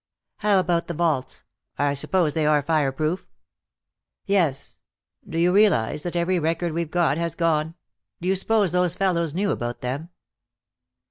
"How about the vaults? I suppose they are fireproof?" "Yes. Do you realize that every record we've got has gone? D'you suppose those fellows knew about them?"